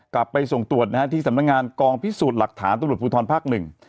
กลับไปส่งตรวจนะฮะที่สำนักงานกองพิสูจน์หลักฐานตำรวจภูทรภาคหนึ่ง